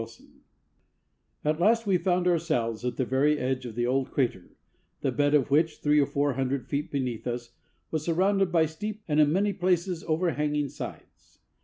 ] At last we found ourselves at the very edge of the old crater, the bed of which, three or four hundred feet beneath us, was surrounded by steep and in many places overhanging sides.